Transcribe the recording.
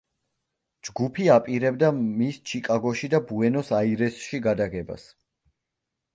ჯგუფი აპირებდა მის ჩიკაგოში და ბუენოს-აირესში გადაღებას.